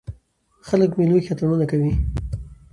خلک په مېلو کښي اتڼونه کوي.